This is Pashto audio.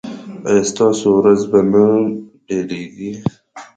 ایا ستاسو ورځ به نه پیلیږي؟